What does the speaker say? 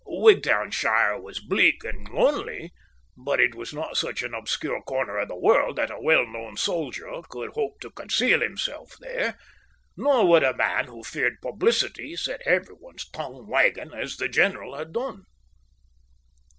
Wigtownshire was bleak and lonely, but it was not such an obscure corner of the world that a well known soldier could hope to conceal himself there, nor would a man who feared publicity set every one's tongue wagging as the general had done.